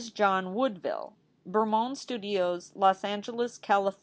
JOHN WOODVILLE Bermond Studios, Los Angeles, Calif.